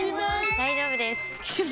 大丈夫です！